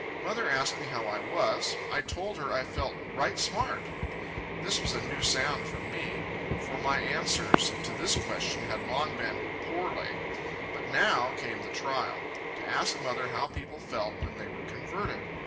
Mother asked me how I was. I told her, I felt right smart. This was a new sound from me; for my answers to this question had long been "poorly." But now came the trial; to ask mother how people felt, when they were converted.